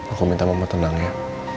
aku minta mama tenang ya